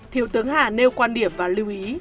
thiếu tướng hà nêu quan điểm và lưu ý